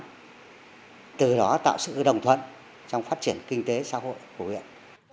từ đó tạo sự đồng thuận trong phát triển kinh tế xã hội của huyện